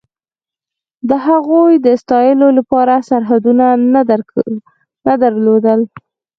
د هغوی د ستایلو لپاره سرحدونه نه درلودل.